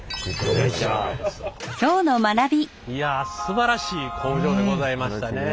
いやすばらしい工場でございましたね。